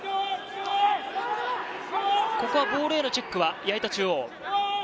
ここはボールへのチェックは矢板中央。